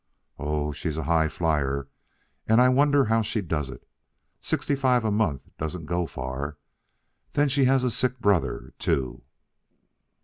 Oh, she's a high flyer, and I wonder how she does it. Sixty five a month don't go far. Then she has a sick brother, too."